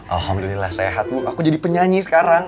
alhamdulillah sehat bu aku jadi penyanyi sekarang